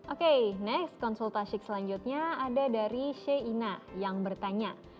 oke next konsultasi selanjutnya ada dari sheyna yang bertanya